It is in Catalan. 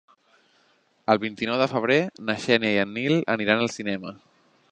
El vint-i-nou de febrer na Xènia i en Nil aniran al cinema.